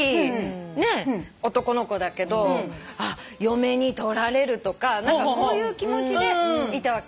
男の子だけど嫁に取られるとかそういう気持ちでいたわけ。